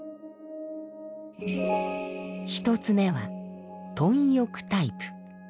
１つ目は「貪欲」タイプ。